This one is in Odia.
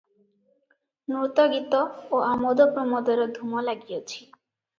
ନୃତ୍ୟ ଗୀତ ଓ ଆମୋଦ ପ୍ରମୋଦର ଧୂମ ଲାଗିଅଛି ।